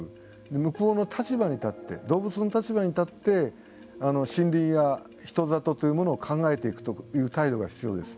向こうの立場に立って動物の立場に立って森林や人里というものを考えていくという態度が必要です。